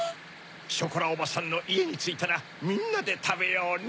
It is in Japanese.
ショコラおばさんのいえについたらみんなでたべようね。